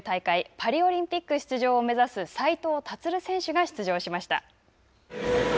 パリオリンピックを出場を目指す斉藤立選手が出場しました。